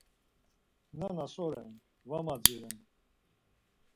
Nana so ren, va madziren.